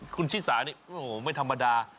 คุณชิสาเนี่ยไม่ธรรมดา